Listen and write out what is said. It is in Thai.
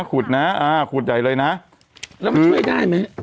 แล้วกูช่วยได้มั้ย